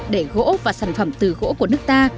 để gỗ và sản phẩm từ gỗ của nước ta